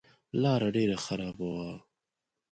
لاره ډېره خرابه وه.